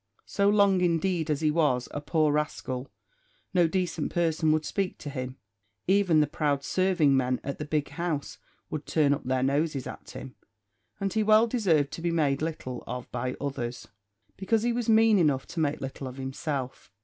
So long indeed as he was a poor rascal, no decent person would speak to him; even the proud serving men at the "Big House" would turn up their noses at him. And he well deserved to be made little of by others, because he was mean enough to make little of himself.